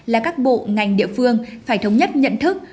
là các bộ ngành địa phương phải thống nhất nhận thức